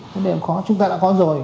vấn đề khó chúng ta đã có rồi